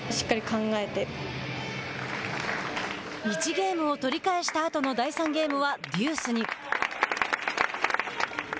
１ゲームを取り返した後の第３ゲームはデュースに。